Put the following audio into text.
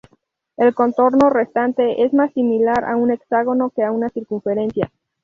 El contorno restante es más similar a un hexágono que a una circunferencia.